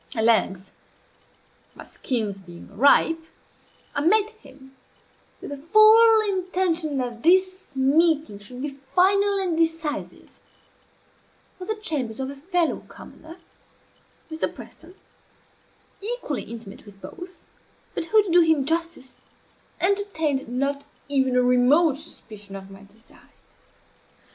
At length, my schemes being ripe, I met him (with the full intention that this meeting should be final and decisive) at the chambers of a fellow commoner (Mr. Preston) equally intimate with both, but who, to do him justice, entertained not even a remote suspicion of my design.